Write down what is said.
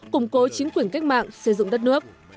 củng cố chính quyền cách mạng xây dựng đất nước